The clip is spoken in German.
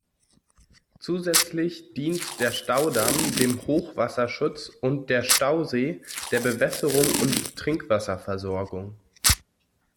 Zusätzlich dient der Staudamm dem Hochwasserschutz und der Stausee der Bewässerung und Trinkwasserversorgung.